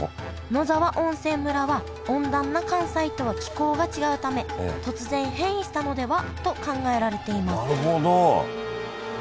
野沢温泉村は温暖な関西とは気候が違うため突然変異したのではと考えられていますなるほど！